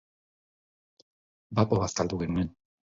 Bapo bazkaldu genuen.